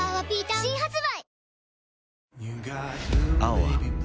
新発売